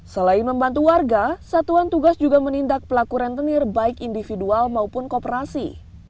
selain membantu warga satuan tugas juga menindak pelaku rentenir baik individual maupun kooperasi